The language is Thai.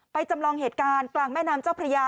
จำลองเหตุการณ์กลางแม่น้ำเจ้าพระยา